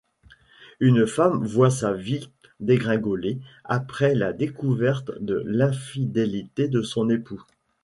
Une femme voit sa vie dégringoler après la découverte de l'infidélité de son époux.